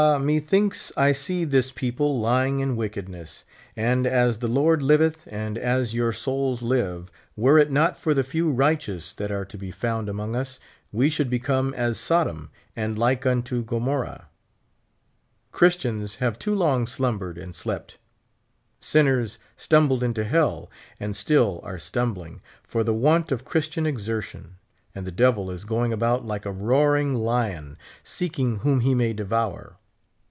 methinks I see this people lying in wickedness ; and as the Lord liveth, and as your souls live, were it not for the few righteous that are to be found among us, we should become as Sodom, and like unto Gomorrah. Christians have too long slumbered and slept. Sinners stumbled into hell, and still are stumbling, for the want of Christian exertion ; and the devil is going about like a roaring lion seeking whom he may devour.